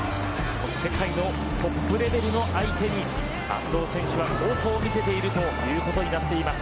世界のトップレベルの相手に安藤選手は好走を見せているということになります。